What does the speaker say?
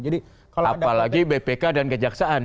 apalagi bpk dan kejaksaan